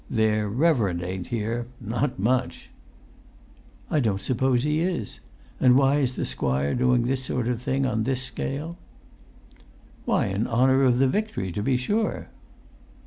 "Their reverend ain't here—not much!" "I don't suppose he is. And why is the squire doing this sort of thing on this scale?" "Why, in honour of the victory, to be sure."